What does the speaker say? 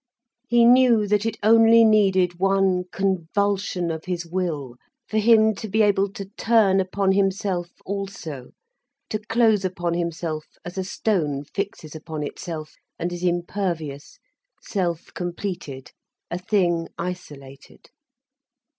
He knew that it only needed one convulsion of his will for him to be able to turn upon himself also, to close upon himself as a stone fixes upon itself, and is impervious, self completed, a thing isolated.